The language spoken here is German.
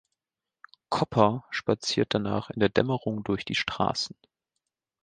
Kopper spaziert danach in der Dämmerung durch die Straßen.